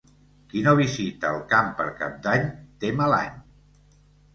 Qui no visita el camp per Cap d'Any té mal any.